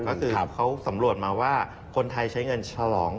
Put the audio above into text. ก็คือเขาสำรวจมาว่าคนไทยใช้เงินฉลอง